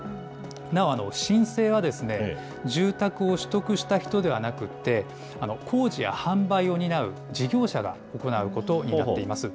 なお申請は、住宅を取得した人ではなく、工事や販売を担う事業者が行うことになっています。